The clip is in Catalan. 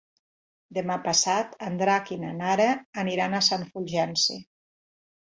Demà passat en Drac i na Nara aniran a Sant Fulgenci.